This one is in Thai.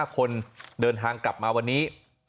๕คนเดินทางกลับมาวันนี้